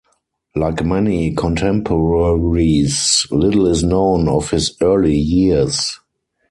Like many contemporaries, little is known of his early years.